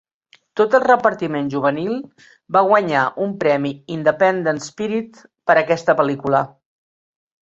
Tot el repartiment juvenil va guanyar un Premi Independent Spirit per aquesta pel·lícula.